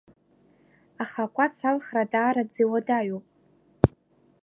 Аха акәац алхра даараӡа иуадаҩуп.